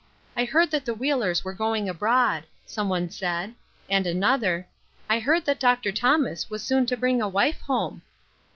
' I heard that the Wheelers were going abroad,' some one said ; and another, ' I heard that Dr. Thomas was soon to bring a wife home.'